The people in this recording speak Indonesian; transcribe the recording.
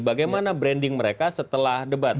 bagaimana branding mereka setelah debat